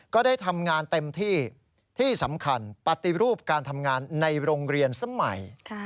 ก็ได้ทำงานเต็มที่ที่สำคัญปฏิรูปการทำงานในโรงเรียนสมัย